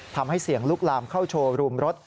ทำให้เสี่ยงลุกลามเข้าโชว์รูมรถ